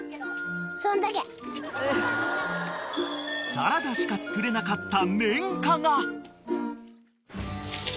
［サラダしか作れなかった然花が］